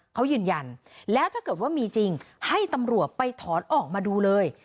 เขายืนยันแล้วถ้าเกิดว่ามีจริงให้ตำรวจไปถอนออกมาดูเลย